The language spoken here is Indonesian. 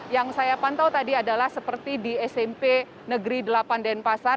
yang saya pantau tadi adalah seperti di smp negeri delapan denpasar